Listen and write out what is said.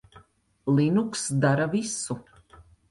Linux dara visu.